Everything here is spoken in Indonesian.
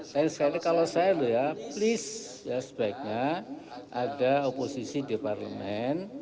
terakhir sekali kalau saya lho ya please ya sebaiknya ada oposisi di parlemen